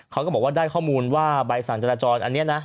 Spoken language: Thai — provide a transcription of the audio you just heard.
เขาก็บอกว่าได้ข้อมูลว่าใบสั่งจราจรอันนี้นะ